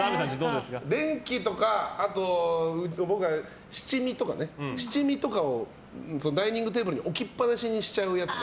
電気とか、あとは七味とかをダイニングテーブルに置きっぱなしにしちゃうやつ。